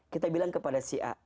kita bilang kepada si a